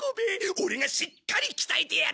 オレがしっかり鍛えてやる。